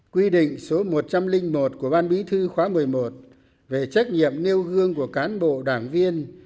quy định số một trăm linh một của ban bí thư khóa một mươi một về trách nhiệm nêu gương của cán bộ đảng viên